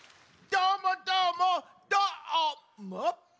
どーもどーもどーも！